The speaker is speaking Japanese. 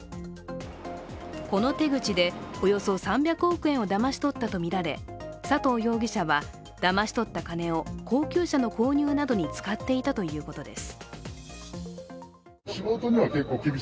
この手口でおよそ３００億円をだまし取っていたとみられ佐藤容疑者は、だまし取った金を高級車の購入などに使っていたということです。